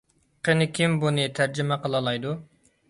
قېنى كىم بۇنى تەرجىمە قىلالايدۇ؟